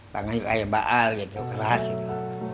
tangannya kayak baal gitu keras gitu